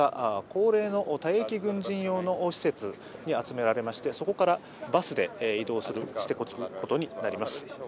高齢の退役軍人用の施設に集められましてそこからバスで移動することになります。